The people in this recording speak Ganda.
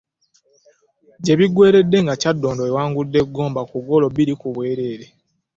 Gye biggweeredde nga Kyaddondo ewangudde Gomba ku ggoolo bbiri ku bwereere